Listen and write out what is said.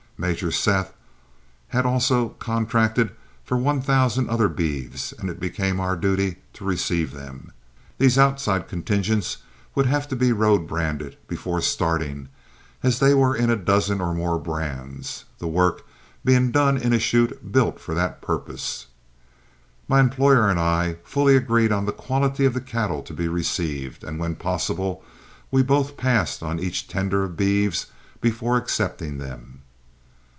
Major Seth had also contracted for one thousand other beeves, and it became our duty to receive them. These outside contingents would have to be road branded before starting, as they were in a dozen or more brands, the work being done in a chute built for that purpose. My employer and I fully agreed on the quality of cattle to be received, and when possible we both passed on each tender of beeves before accepting them.